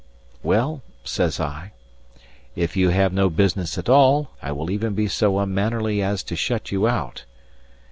"Well," said I, "if you have no business at all, I will even be so unmannerly as to shut you out."